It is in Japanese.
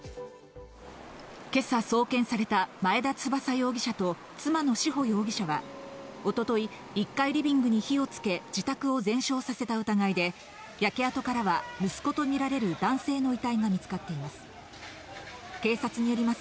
今朝送検された前田翼容疑者と、妻の志保容疑者は一昨日、１階リビングに火をつけ、自宅を全焼させた疑いで焼け跡からは息子とみられる男性の遺体が見つかっています。